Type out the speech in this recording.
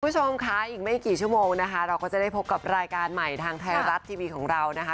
คุณผู้ชมค่ะอีกไม่กี่ชั่วโมงนะคะเราก็จะได้พบกับรายการใหม่ทางไทยรัฐทีวีของเรานะคะ